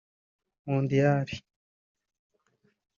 Mondial